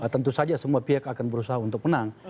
tentu saja semua pihak akan berusaha untuk menang